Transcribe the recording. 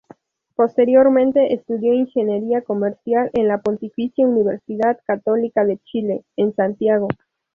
Posteriormente estudió ingeniería comercial en la Pontificia Universidad Católica de Chile, en Santiago.